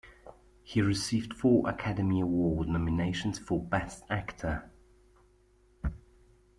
He received four Academy Award nominations for Best Actor.